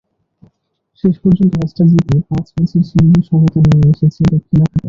শেষ পর্যন্ত ম্যাচটা জিতে পাঁচ ম্যাচের সিরিজে সমতা নিয়ে এসেছে দক্ষিণ আফ্রিকা।